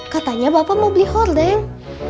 katanya bapak mau beli holdeng